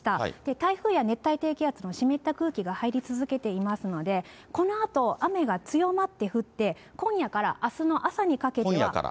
台風や熱帯低気圧の湿った空気が入り続けていますので、このあと、雨が強まって降って、今夜からあすの朝にかけては。